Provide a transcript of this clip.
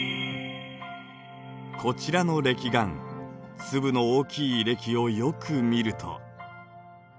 こちらのれき岩粒の大きいれきをよく見ると。